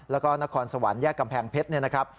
แล้วก็นครสวรรค์แยกกำแพงเพชรเนี่ยนะครับ